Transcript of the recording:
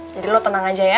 jadi lo tenang aja ya